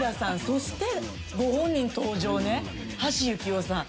そしてご本人登場橋幸夫さん。